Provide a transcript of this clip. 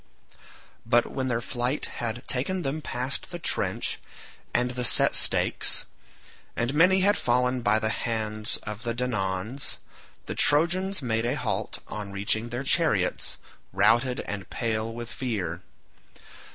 But when their flight had taken them past the trench and the set stakes, and many had fallen by the hands of the Danaans, the Trojans made a halt on reaching their chariots, routed and pale with fear.